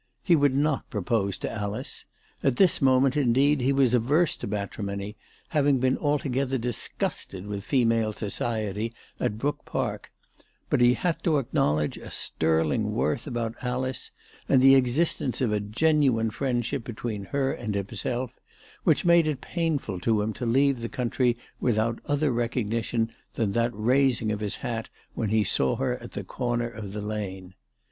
He would not propose to Alice. At this moment, indeed, he was averse to matrimony, having been altogether disgusted with female society at Brook Park ; but he had to acknowledge a sterling worth about Alice, and the existence of a genuine friendship between her and himself, which made it painful to him to leave the country without other recognition than that raising of his hat when he saw her at the corner of the lane.